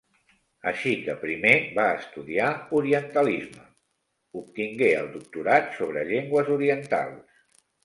Així que primer va estudiar orientalisme; obtingué el doctorat sobre llengües orientals.